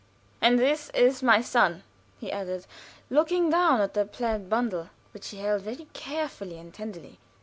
"And this is my son," he added, looking down at the plaid bundle, which he held very carefully and tenderly.